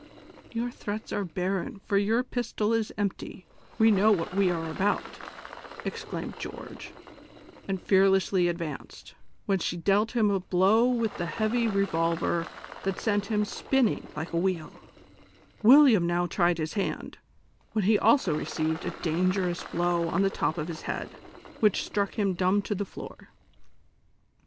" Your threats are barren, for your pistol is empty ; we know what we are about," exclaimed George, and fear lessly advanced, when she dealt him a blow with the heavy revolver that sent liim spinning like a wheel ; AV'illiam now tried his hand, when he also received a dangerous blow on the top of his head, which struck him dumb to the floor.